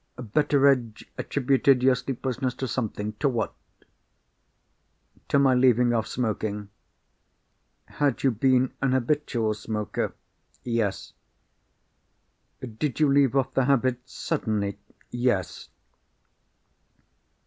Betteredge attributed your sleeplessness to something. To what?" "To my leaving off smoking." "Had you been an habitual smoker?" "Yes." "Did you leave off the habit suddenly?" "Yes."